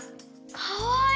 かわいい！